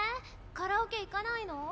カラオケ行かないの？